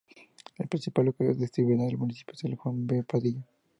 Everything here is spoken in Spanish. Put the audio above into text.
El principal colegio distrital del municipio es el "Juan V. Padilla".